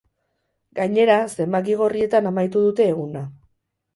Gainera, zenbaki gorrietan amaitu dute eguna.